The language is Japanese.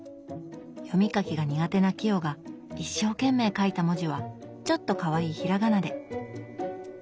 読み書きが苦手な清が一生懸命書いた文字はちょっとかわいい平仮名で。